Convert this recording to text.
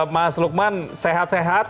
mas lukman sehat sehat